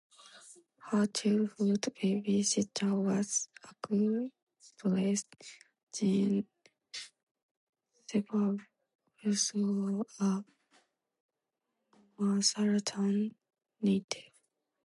Her childhood babysitter was actress Jean Seberg, also a Marshalltown native.